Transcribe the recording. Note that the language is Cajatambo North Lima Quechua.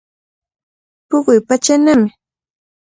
Puquy patsanami.